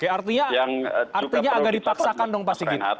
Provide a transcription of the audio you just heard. artinya agak dipaksakan dong pak sigit